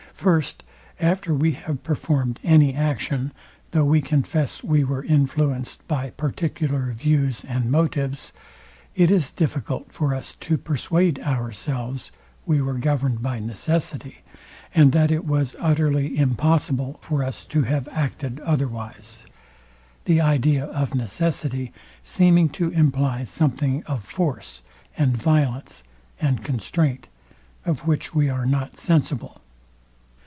First, After we have performed any action; though we confess we were influenced by particular views and motives; it is difficult for us to persuade ourselves we were governed by necessity, and that it was utterly impossible for us to have acted otherwise; the idea of necessity seeming to imply something of force, and violence, and constraint, of which we are not sensible.